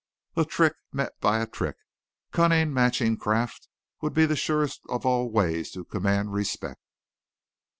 A trick met by a trick; cunning matching craft would be the surest of all ways to command respect.